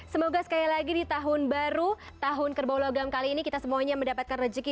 semoga sekali lagi di tahun baru tahun kerbau logam kali ini kita semuanya mendapatkan rezeki